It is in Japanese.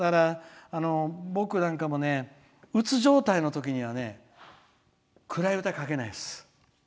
僕なんかもうつ状態の時には暗い歌を書けないです。